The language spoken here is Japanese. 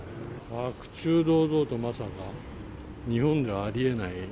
白昼堂々と、まさか、日本じゃありえない。